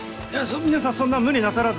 皆さんそんな無理なさらず。